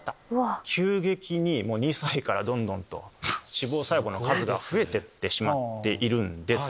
急激に２歳からどんどんと脂肪細胞の数が増えてしまっているんですね。